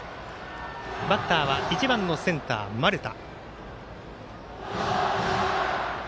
バッターは１番センター、丸田。